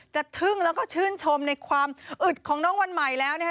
ทึ่งแล้วก็ชื่นชมในความอึดของน้องวันใหม่แล้วนะคะ